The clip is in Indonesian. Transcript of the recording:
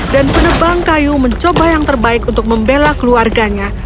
dan penebang kayu mencoba yang terbaik untuk membela keluarganya